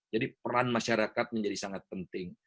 jadi peran masyarakat menjadi sangat penting